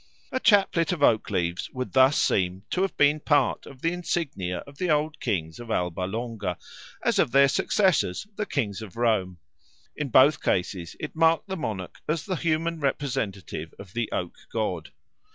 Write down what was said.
A chaplet of oak leaves would thus seem to have been part of the insignia of the old kings of Alba Longa as of their successors the kings of Rome; in both cases it marked the monarch as the human representative of the oak god.